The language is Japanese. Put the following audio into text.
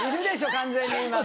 完全に今の。